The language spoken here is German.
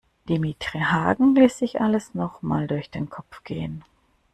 Dimitri Hagen ließ sich alles noch mal durch den Kopf gehen.